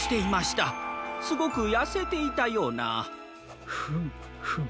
すごくやせていたような。フムフム。